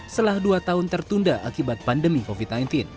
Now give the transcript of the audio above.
setelah dua tahun tertunda akibat pandemi covid sembilan belas